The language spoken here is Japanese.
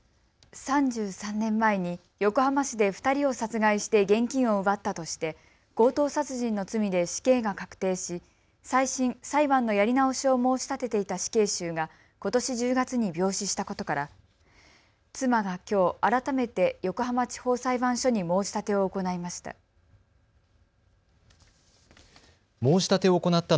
３３年前に横浜市で２人を殺害して現金を奪ったとして強盗殺人の罪で死刑が確定し再審・裁判のやり直しを申し立てていた死刑囚がことし１０月に病死したことから妻がきょう改めて横浜地方裁判所に申し立てを行いました。